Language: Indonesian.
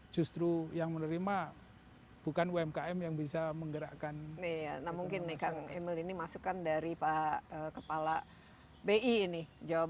justru yang menerima bukan umkm yang bisa menggerakkan mungkin nih kang emil ini masukan dari pak kepala bi ini